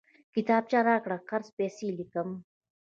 کتابچه راکړه، قرض پسې ليکم!